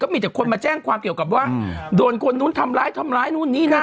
มีแต่คนมาแจ้งความเกี่ยวกับว่าโดนคนนู้นทำร้ายทำร้ายนู่นนี่นั่น